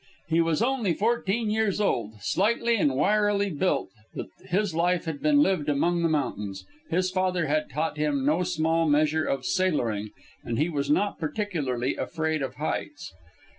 He was only fourteen years old, slightly and wirily built; but his life had been lived among the mountains, his father had taught him no small measure of "sailoring," and he was not particularly afraid of heights.